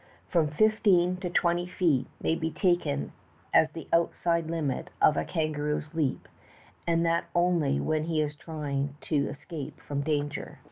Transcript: From fifteen to twenty feet may be taken as the outside limit of a kan garoo's leap, and that only when he is trying to escape from danger.